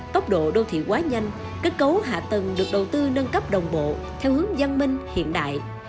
tốc độ đô thị quá nhanh kết cấu hạ tầng được đầu tư nâng cấp đồng bộ theo hướng văn minh hiện đại